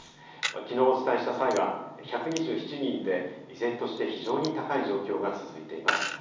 きのうお伝えした際は１２７人で依然として非常に高い状況が続いています。